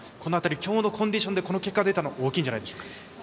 今日のコンディションでこの結果が出たのは大きいんじゃないですか？